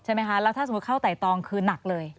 ไหมคะแล้วถ้าสมมุติเข้าไต่ตองคือหนักเลย